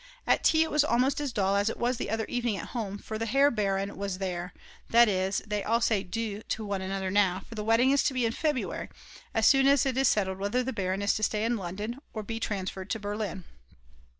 At tea it was almost as dull as it was the other evening at home; for the Herr Baron was there, that is, they all say Du to one another now, for the wedding is to be in February, as soon as it is settled whether the Baron is to stay in London or to be transferred to Berlin.